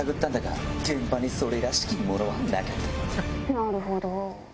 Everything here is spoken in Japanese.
なるほど。